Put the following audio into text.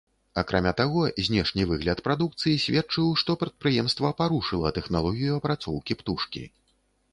Акрамя таго, знешні выгляд прадукцыі сведчыў, што прадпрыемства парушыла тэхналогію апрацоўкі птушкі.